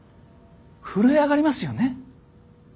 震え上がりますよね。